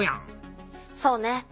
そうね。